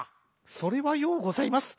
「それはようございます。